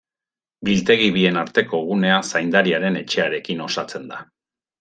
Biltegi bien arteko gunea zaindariaren etxearekin osatzen da.